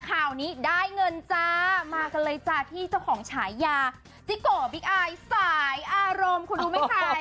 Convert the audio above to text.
ข่าวนี้ได้เงินจ้ามากันเลยจ้าที่เจ้าของฉายาจิโกบิ๊กอายสายอารมณ์คุณรู้ไหมใคร